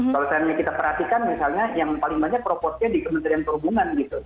kalau misalnya kita perhatikan misalnya yang paling banyak proporsinya di kementerian perhubungan gitu